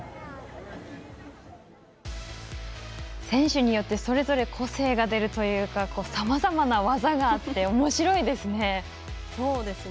選手によってそれぞれ個性が出るというかさまざまな技があっておもしろいですね。